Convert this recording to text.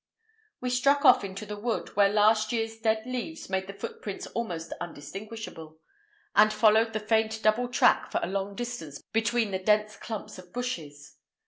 We struck off into the wood, where last year's dead leaves made the footprints almost indistinguishable, and followed the faint double track for a long distance between the dense clumps of bushes.